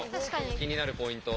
気になるポイント。